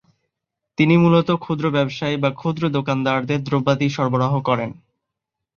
তিনি মূলত ক্ষুদ্র ব্যবসায়ী বা ক্ষুদ্র দোকানদারদের দ্রব্যাদি সরবরাহ করেন।